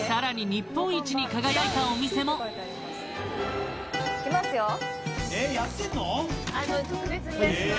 日本一に輝いたお店もいきますよ